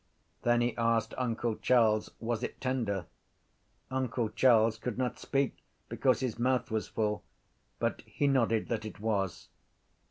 Then he asked uncle Charles was it tender. Uncle Charles could not speak because his mouth was full but he nodded that it was.